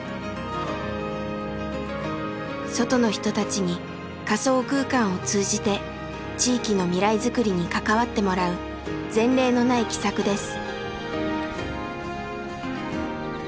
外の人たちに仮想空間を通じて地域の未来づくりに関わってもらう前例のない奇策です。